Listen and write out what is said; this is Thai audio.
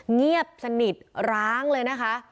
เงียบสนิทร้างเลยนะคะ